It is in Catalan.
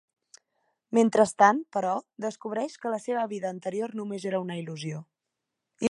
Mentrestant, però, descobreix que la seva vida anterior només era una il·lusió.